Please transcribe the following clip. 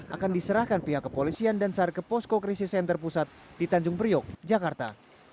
akan diserahkan pihak kepolisian dan sar ke posko krisis center pusat di tanjung priok jakarta